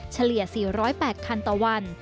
เฉลี่ย๔๐๘คันต่อวัน